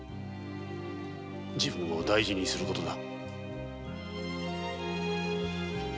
自分を大切にするのだ。